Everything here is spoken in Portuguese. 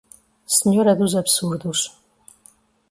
Senhora dos absurdos